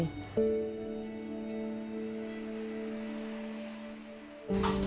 ป้านะ